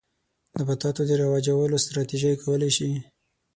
نباتاتو د رواجولو ستراتیژۍ کولای شي.